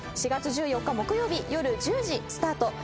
４月１４日木曜日夜１０時スタート。